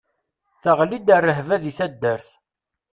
Teɣli-d rrehba di taddart.